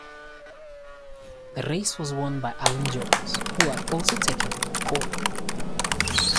The race was won by Alan Jones, who had also taken pole.